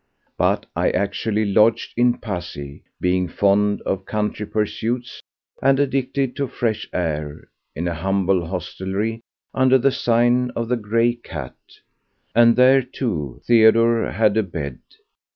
But I actually lodged in Passy—being fond of country pursuits and addicted to fresh air—in a humble hostelry under the sign of the "Grey Cat"; and here, too, Theodore had a bed.